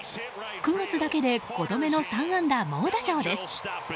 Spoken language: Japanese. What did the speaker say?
９月だけで５度目の３安打猛打賞です。